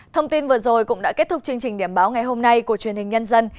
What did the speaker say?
thông tin vừa rồi cũng đã kết thúc chương trình điểm báo ngày hôm nay của truyền hình nhân dân